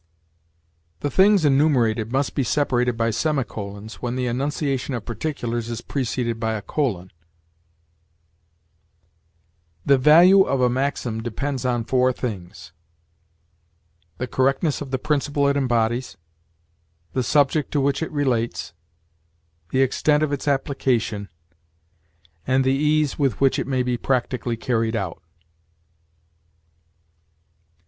The things enumerated must be separated by semicolons, when the enunciation of particulars is preceded by a colon: "The value of a maxim depends on four things: the correctness of the principle it embodies; the subject to which it relates; the extent of its application; and the ease with which it may be practically carried out."